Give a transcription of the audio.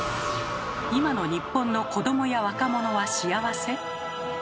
今の日本の子どもや若者は幸せ？